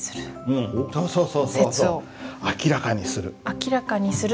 「明らかにする」。